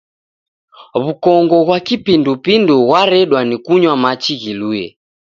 W'ukongo ghwa kipindupindu ghwaredwa ni kunywa machi ghilue.